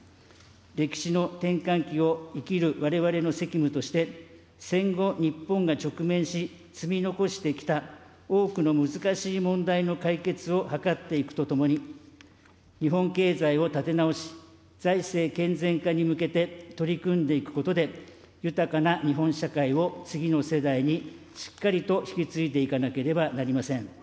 歴史の転換期を生きるわれわれの責務として、戦後、日本が直面し、積み残してきた多くの難しい問題の解決を図っていくとともに、日本経済を立て直し、財政健全化に向けて取り組んでいくことで、豊かな日本社会を次の世代にしっかりと引き継いでいかなければなりません。